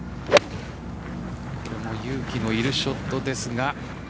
勇気のいるショットですが。